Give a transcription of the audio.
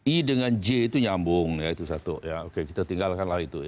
i dengan j itu nyambung itu satu kita tinggalkanlah itu